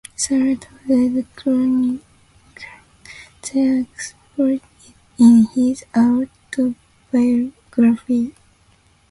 The latter would chronicle their exploits in his "Autobiography".